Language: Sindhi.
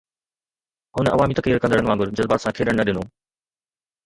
هن عوامي تقرير ڪندڙن وانگر جذبات سان کيڏڻ نه ڏنو.